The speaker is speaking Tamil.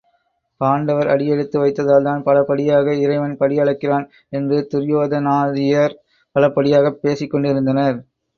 பாண்டவர் அடி எடுத்து வைத்ததால்தான் பலபடியாக இறைவன் படி அளக்கிறான் என்று துரியோதனாதியர் பலபடியாகப் பேசிக் கொண்டிருந்தனர்.